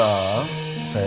saya cek undis pal ya